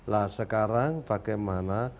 lah sekarang bagaimana